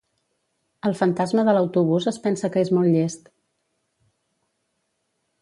El fantasma de l'autobús es pensa que és molt llest